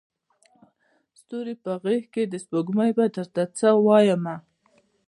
ستوري په غیږکي د سپوږمۍ به درته څه وایمه